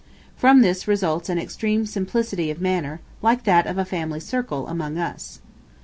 From this results an extreme simplicity of manner, like that of a family circle among us.